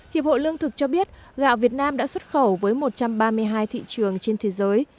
hiệp hội lương thực cho biết gạo việt nam đã xuất khẩu với một trăm ba mươi hai thị trường trên thế giới